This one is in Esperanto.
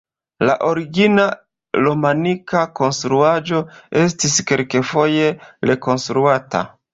La origina romanika konstruaĵo estis kelkfoje rekonstruata.